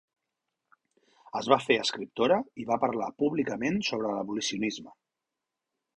Es va fer escriptora i va parlar públicament sobre l'abolicionisme.